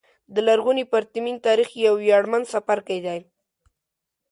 د لرغوني پرتمین تاریخ یو ویاړمن څپرکی دی.